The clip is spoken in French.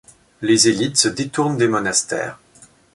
Les élites se détournent des monastères.